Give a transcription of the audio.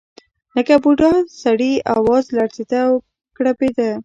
لکه د بوډا سړي اواز لړزېده او ګړبېده.